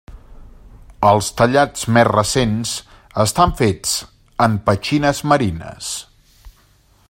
Els tallats més recents estan fets en petxines marines.